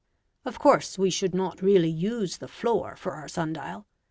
Of course, we should not really use the floor for our sun dial.